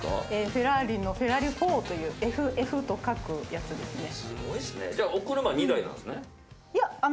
フェラーリのフェラーリ４というＦＦと書くやつですね。